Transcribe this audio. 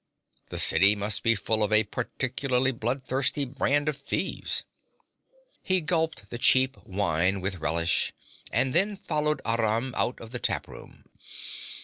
The city must be full of a particularly blood thirsty brand of thieves.' He gulped the cheap wine with relish, and then followed Aram out of the tap room.